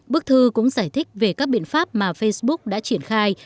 bức thư cũng giải thích về các biện pháp mà facebook đã triển khai